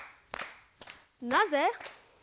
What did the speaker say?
なぜ？